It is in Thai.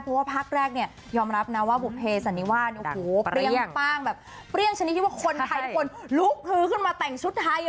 เพราะว่าพักแรกยอมรับว่าบุภีสันนี้ว่าเปรี้ยงป้างเปรี้ยงชนิดที่ว่าคนไทยทุกคนลุกขึ้นมาแต่งชุดไทย